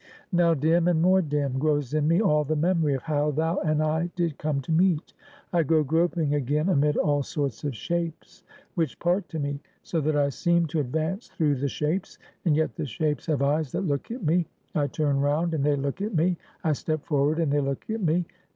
Now dim, and more dim, grows in me all the memory of how thou and I did come to meet. I go groping again amid all sorts of shapes, which part to me; so that I seem to advance through the shapes; and yet the shapes have eyes that look at me. I turn round, and they look at me; I step forward, and they look at me.